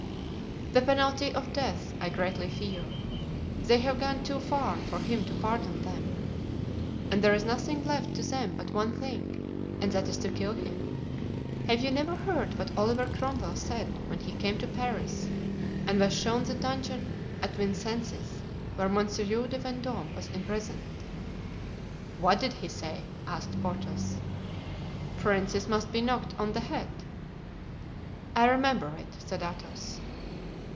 "The penalty of death, I greatly fear; they have gone too far for him to pardon them, and there is nothing left to them but one thing, and that is to kill him. Have you never heard what Oliver Cromwell said when he came to Paris and was shown the dungeon at Vincennes where Monsieur de Vendome was imprisoned?" "What did he say?" asked Porthos. "'Princes must be knocked on the head.'" "I remember it," said Athos.